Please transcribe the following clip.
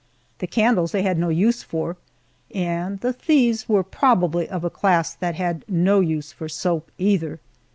The candles they had no use for, and the thieves were probably of a class that had no use for soap, either.